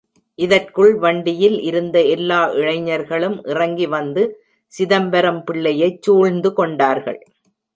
இதற்குள் வண்டியில் இருந்த எல்லா இளைஞர்களும் இறங்கி வந்து சிதம்பரம் பிள்ளையைச் சூழ்ந்து கொண்டார்கள்.